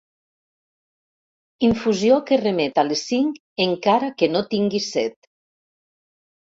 Infusió que remet a les cinc encara que no tinguis set.